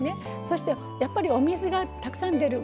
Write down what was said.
そしてやっぱりお水がたくさん出る。